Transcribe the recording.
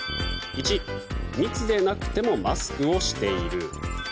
１密でなくてもマスクをしている。